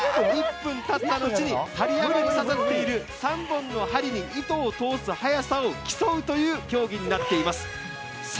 １分たった後に、針山に刺さる針に、３本の針に糸を通す速さを競うという競技になっています。